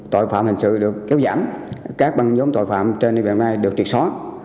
tội phạm hình sự được kéo giảm các băng nhóm tội phạm trên địa phương này được triệt só